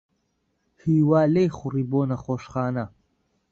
ھیوا لێی خوڕی بۆ نەخۆشخانە.